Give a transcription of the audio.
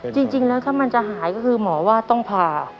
จริงแล้วถ้ามันจะหายก็คือหมอว่าต้องผ่า